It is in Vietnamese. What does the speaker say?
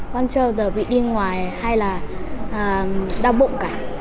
con có uống hết mà không uống sữa không